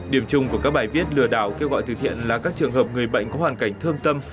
điểm chung của các bài viết lừa đảo kêu gọi từ thiện là các trường hợp người bệnh có hoàn cảnh thương tâm